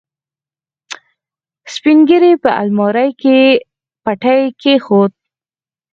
سپينږيري په المارۍ کې پټۍ کېښوده.